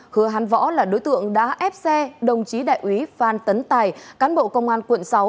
hứa hắn võ là đối tượng đã ép xe đồng chí đại úy phan tấn tài cán bộ công an quận sáu